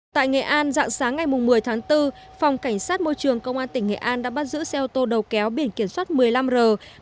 tại nghệ an dạng sáng ngày một mươi tháng bốn phòng cảnh sát môi trường công an tỉnh nghệ an đã bắt giữ xe ô tô đầu kéo biển kiểm soát một mươi năm r một mươi nghìn chín trăm bốn mươi ba